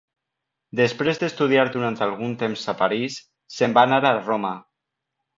Després d'estudiar durant algun temps a París, se'n va anar a Roma.